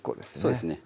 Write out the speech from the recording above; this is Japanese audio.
そうですね